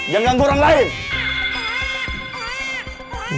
jangan ganggu orang lain